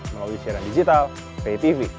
melalui siaran digital paytv